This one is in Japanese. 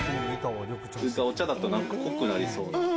お茶だと、なんか濃くなりそうな。